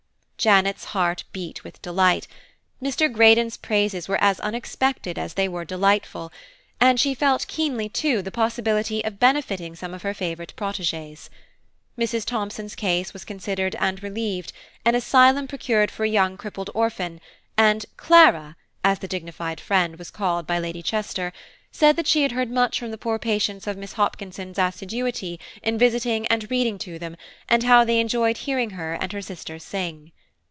Janet's heart beat with delight. Mr. Greydon's praises were as unexpected as they were delightful, and she keenly felt, too, the possibility of benefiting some of her favourite protégées. Mrs. Thomson's case was considered and relieved, an ayslum procured for a young crippled orphan, and "Clara," as the dignified friend was called by Lady Chester, said she had heard much from the poor patients of Miss Hopkinson's assiduity in visiting and reading to them, and how they enjoyed hearing her and her sister sing.